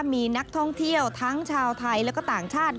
มีนักท่องเที่ยวทั้งชาวไทยและก็ต่างชาติ